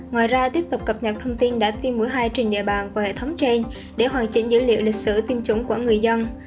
ngoài ra tiếp tục cập nhật thông tin đã tiêm mũi hai trên địa bàn qua hệ thống trên để hoàn chỉnh dữ liệu lịch sử tiêm chủng của người dân